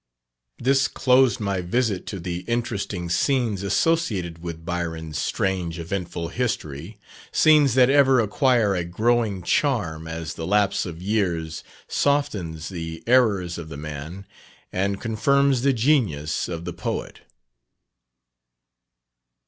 This closed my visit to the interesting scenes associated with Byron's strange eventful history scenes that ever acquire a growing charm as the lapse of years softens the errors of the man, and confirms the genius of the poet.